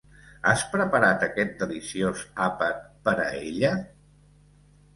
Has preparat aquest deliciós àpat per a ella?